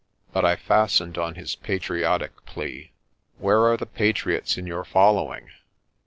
But I fastened on his patriotic plea. "Where are the patriots in your following?